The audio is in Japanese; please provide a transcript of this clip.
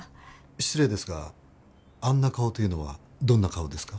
失礼ですが「あんな顔」というのはどんな顔ですか？